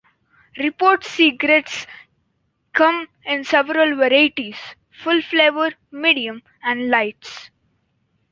Newport cigarettes come in several varieties: Full Flavor, Medium, and Lights.